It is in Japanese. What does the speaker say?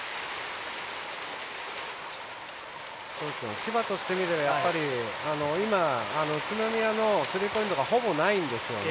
千葉としてみれば今、宇都宮のスリーポイントがほぼないんですよね。